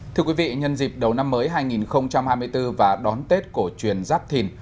thưa quý vị nhân dịp đầu năm mới hai nghìn hai mươi bốn và đón tết cổ truyền giáp thìn